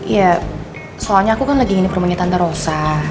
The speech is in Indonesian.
ya soalnya aku kan lagi ingin permainan tante rosa